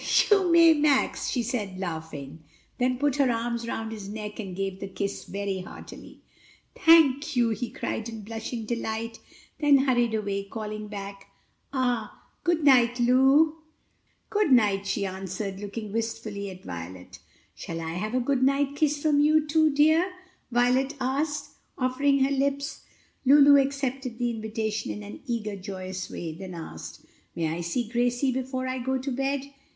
"You may, Max," she said, laughing, then put her arms round his neck and gave the kiss very heartily. "Thank you," he cried in blushing delight; then hurried away, calling back, "Ah, good night, Lu!" "Good night," she answered, looking wistfully at Violet. "Shall I have a good night kiss from you too, dear?" Violet asked, offering her lips. Lulu accepted the invitation in an eager, joyous way, then asked, "May I see Gracie before I go to bed?"